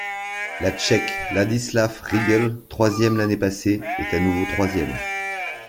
Le Tchèque Ladislav Rygl, troisième l'année passée, est à nouveau troisième.